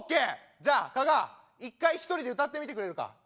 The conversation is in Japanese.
じゃあ加賀１回一人で歌ってみてくれるか？